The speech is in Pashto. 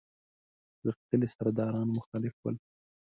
غښتلي سرداران مخالف ول.